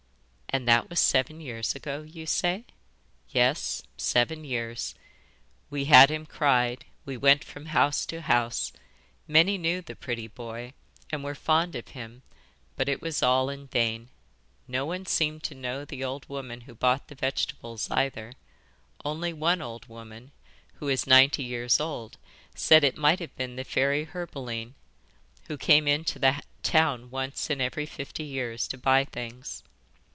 'And that was seven years ago, you say?' 'Yes, seven years: we had him cried we went from house to house. Many knew the pretty boy, and were fond of him, but it was all in vain. No one seemed to know the old woman who bought the vegetables either; only one old woman, who is ninety years old, said it might have been the fairy Herbaline, who came into the town once in every fifty years to buy things.